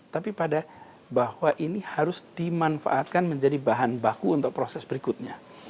tapi pada bahwa ini harus dimanfaatkan menjadi bahan baku untuk proses berikutnya